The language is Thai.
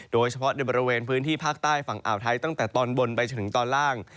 โดยเฉพาะในบริเวณพื้นที่ภาคใต้ฝั่งอ่าวไทยตั้งแต่ตอนบนไปจนถึงตอนล่าง